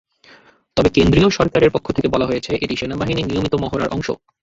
তবে কেন্দ্রীয় সরকারের পক্ষ থেকে বলা হয়েছে, এটি সেনাবাহিনীর নিয়মিত মহড়ার অংশ।